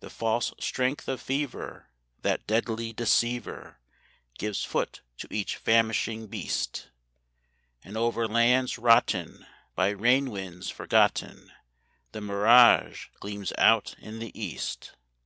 The false strength of fever, that deadly deceiver, Gives foot to each famishing beast; And over lands rotten, by rain winds forgotten, The mirage gleams out in the east.